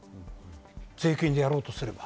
税金でやろうとすれば。